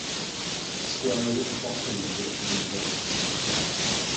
The Square is at the bottom of Richmond Hill.